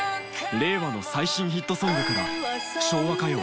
令和の最新ヒットソングから昭和歌謡